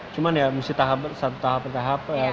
cuma ya mesti satu tahap per tahap